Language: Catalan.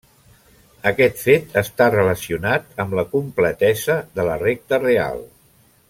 Aquest fet està relacionat amb la completesa de la recta real.